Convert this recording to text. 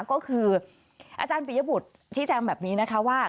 ก็คืออาจารย์ปิยบุตรชี้แจงแบบนี้นะคะว่า